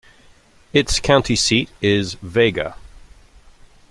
Its county seat is Vega.